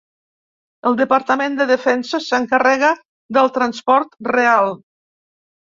El departament de Defensa s'encarrega del transport real.